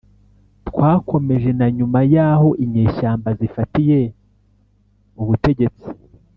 kwakomeje na nyuma y'aho inyeshyamba zifatiye ubutegetsi.